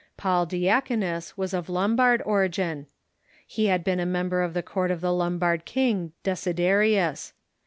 Paul Diaconus was of Lombard origin. He had been a member of the court of the Lombard king Desiderius.